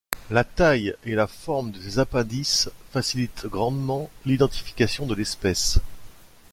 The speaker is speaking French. La taille et la forme de ces appendices facilitent grandement l’identification de l’espèce.